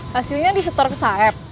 hasilnya disetor ke saheb